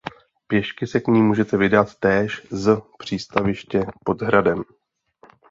Pěšky se k ní můžete vydat též z přístaviště pod hradem.